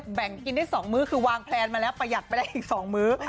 ให้ใบเฟิร์นแถมคือวางแพลนมาแล้วประหยัดไปได้อีก๒มื้อ